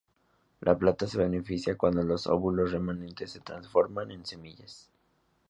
La planta se beneficia cuando los óvulos remanentes se transforman en semillas.